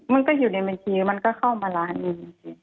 มันก็อยู่ในเมื่อทีมันก็เข้ามาร้านนี้